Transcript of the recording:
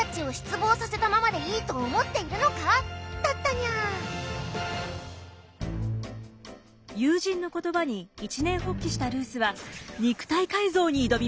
ということで正解は友人の言葉に一念発起したルースは肉体改造に挑みました。